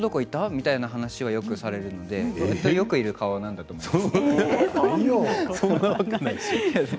みたいな話はされるので本当によくいる顔なんだと思います。